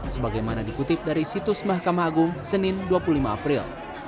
sebagaimana dikutip dari situs mahkamah agung senin dua puluh lima april